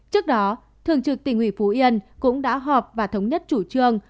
trước đó thường trực tỉnh ủy phú yên cũng đã họp và thống nhất chủ trương